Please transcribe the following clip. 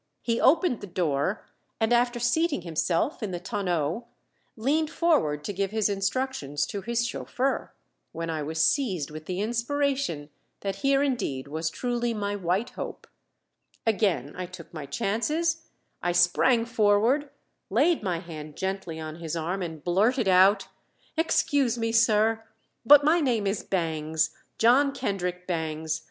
He opened the door, and after seating himself in the tonneau leaned forward to give his instructions to his chauffeur, when I was seized with the inspiration that here indeed was truly my White Hope. Again I took my chances. I sprang forward, laid my hand gently on his arm, and blurted out: [Illustration: "I cannot say that his first remark was wholly cordial."] "Excuse me, sir, but my name is Bangs John Kendrick Bangs.